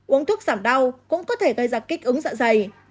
uống thuốc giảm đau cũng có thể gây ra kích ứng dạ dày